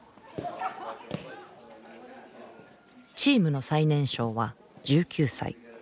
チームの最年少は１９歳。